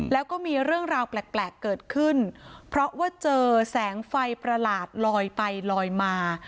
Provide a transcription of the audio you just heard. แล้วก็มีเรื่องราวแปลกเกิดขึ้นเพราะว่าเจอแสงไฟประหลาดลอยไปลอยมา